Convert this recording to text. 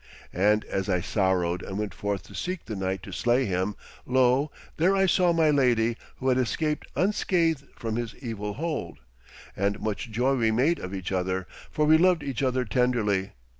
And as I sorrowed and went forth to seek the knight to slay him, lo, there I saw my lady, who had escaped unscathed from his evil hold. And much joy we made of each other, for we loved each other tenderly.